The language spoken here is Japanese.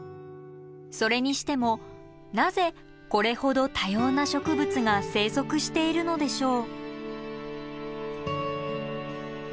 それにしてもなぜこれほど多様な植物が生息しているのでしょう？